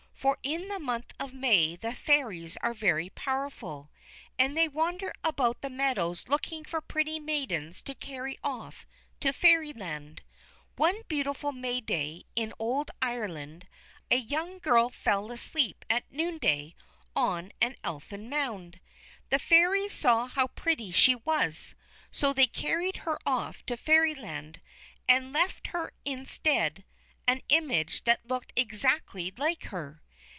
For in the month of May the Fairies are very powerful, and they wander about the meadows looking for pretty maidens to carry off to Fairyland. One beautiful May Day in old Ireland, a young girl fell asleep at noonday on an Elfin Mound. The Fairies saw how pretty she was, so they carried her off to Fairyland, and left in her stead an image that looked exactly like her.